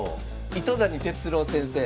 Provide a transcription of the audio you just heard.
糸谷哲郎先生。